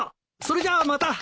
それじゃあまた。